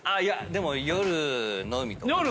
でも夜のみとか。